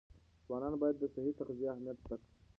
ځوانان باید د صحي تغذیې اهمیت زده کړي.